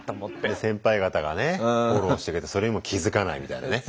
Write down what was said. で先輩方がねフォローしてくれてそれにも気付かないみたいなね。